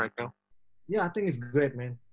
ya menurutku itu bagus man